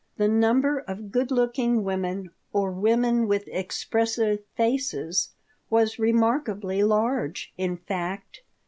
The number of good looking women or women with expressive faces was remarkably large, in fact.